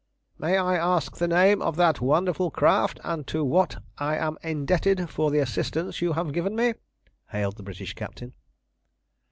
"May I ask the name of that wonderful craft, and to what I am indebted for the assistance you have given me?" hailed the British captain.